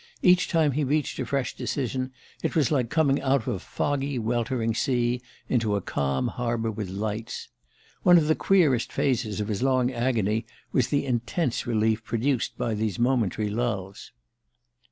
Each time he reached a fresh decision it was like coming out of a foggy weltering sea into a calm harbour with lights. One of the queerest phases of his long agony was the intense relief produced by these momentary lulls.